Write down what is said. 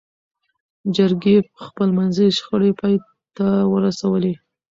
جرګې خپلمنځي شخړې پای ته ورسولې.